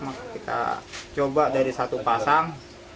maka kita coba dari satu pasang